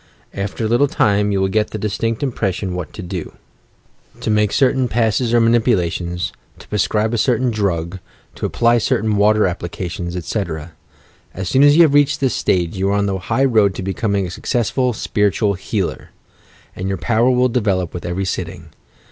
After a little time, you will get the distinct impression what to do — 168 YOUR PSYCHIC POWERS to make certain passes or maiiipulat ions, to prescribe a certain drug, to apply certain water applications, etc. As soon as you have reached this stage, you are on the high road to becoming a successful "spiritual healer," and your power will develop with every sitting.